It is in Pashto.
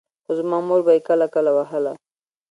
خو زما مور به يې کله کله وهله.